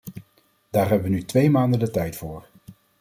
Daar hebben we nu twee maanden de tijd voor.